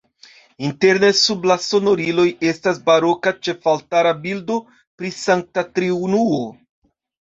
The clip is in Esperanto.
Interne sub la sonoriloj estas baroka ĉefaltara bildo pri Sankta Triunuo.